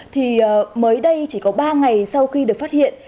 thì mới đây chỉ có ba ngày sau khi được phát hiện